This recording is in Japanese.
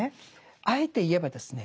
あえて言えばですね